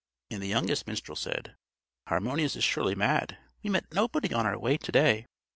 And the youngest minstrel said: "Harmonius is surely mad! We met nobody on our way to day."